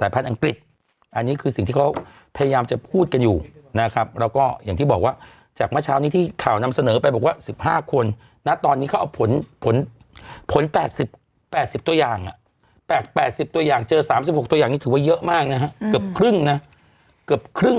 แปลก๘๐ตัวอย่างเจอ๓๖ตัวอย่างนี้ถือว่าเยอะมากนะครับเกือบครึ่งนะเกือบครึ่ง